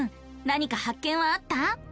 なにか発見はあった？